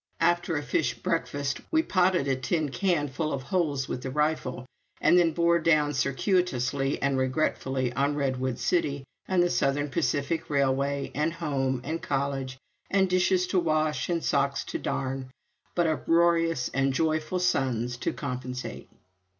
After a fish breakfast we potted a tin can full of holes with the rifle, and then bore down circuitously and regretfully on Redwood City and the Southern Pacific Railway, and home and college and dishes to wash and socks to darn but uproarious and joyful sons to compensate.